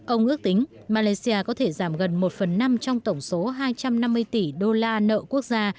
ông ước tính malaysia có thể giảm gần một phần năm trong tổng số hai trăm năm mươi tỷ đô la nợ quốc gia